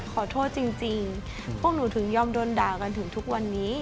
ขอโทษจริงพวกหนูถึงยอมโดนด่ากันถึงทุกวันนี้